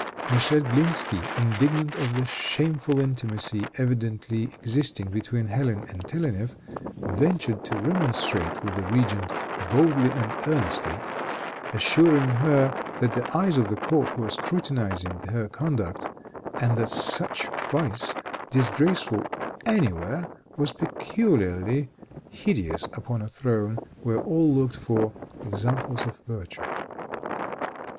Michel Glinsky, indignant at the shameful intimacy evidently existing between Hélène and Telennef, ventured to remonstrate with the regent boldly and earnestly, assuring her that the eyes of the court were scrutinizing her conduct, and that such vice, disgraceful anywhere, was peculiarly hideous upon a throne, where all looked for examples of virtue.